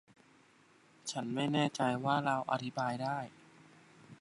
ฉันไม่แน่ใจว่าเราอธิบายได้